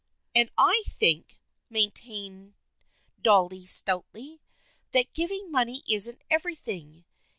" And I think," maintained Dolly stoutly, " that giving money isn't everything.